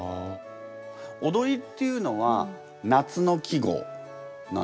踊りっていうのは夏の季語なんですか？